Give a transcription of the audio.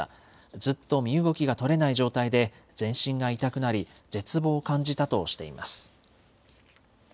ずっと身動きが取れない状態で全身が痛くなり、絶望を感じたとしています。